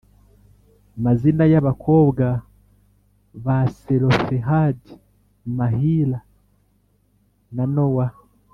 mazina y abakobwa ba Selofehadi Mahila na Nowa